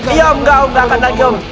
iya om nggak om nggak akan lagi om